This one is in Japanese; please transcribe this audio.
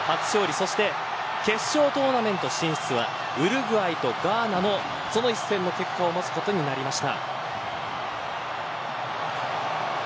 そして決勝トーナメント進出はウルグアイとガーナのその一戦の結果を待つことになりました。